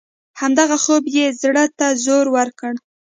همدغه خوب یې زړه ته زور ورکړ.